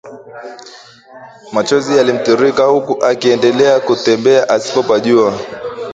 Machozi yalimtiririka huku akiendelea kutembea asipopajua